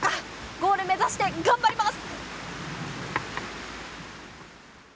ゴールを目指して頑張ります。